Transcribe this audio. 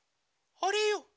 あれよ。